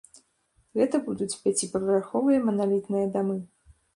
Гэта будуць пяціпавярховыя маналітныя дамы.